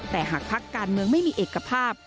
แต่หากพักการเมืองไม่มีเอกภาพ